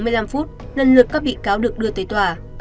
sáu h bốn mươi năm lần lượt các bị cáo được đưa tới tòa